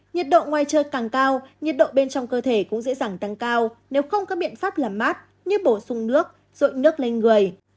nhiệt độ ngoài trời càng cao nhiệt độ bên trong cơ thể cũng dễ dàng tăng cao nếu không có biện pháp làm mát như bổ sung nước rội nước lên người